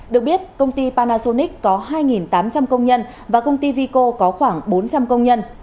được biết công ty panasonic có hai tám trăm linh công nhân và công ty vico có khoảng bốn trăm linh công nhân